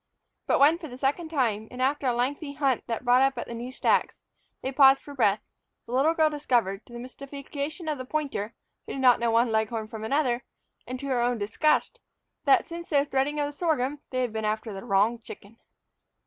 But when for the second time, and after a lengthy hunt that brought up at the new stacks, they paused for breath, the little girl discovered, to the mystification of the pointer, who did not know one leghorn from another, and to her own disgust, that since their threading of the sorghum they had been after the wrong chicken!